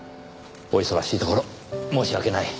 お忙しいところ申し訳ない。